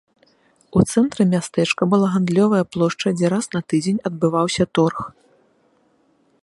У цэнтры мястэчка была гандлёвая плошча, дзе раз на тыдзень адбываўся торг.